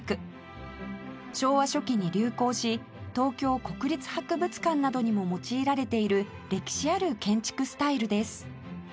昭和初期に流行し東京国立博物館などにも用いられている歴史ある建築スタイルです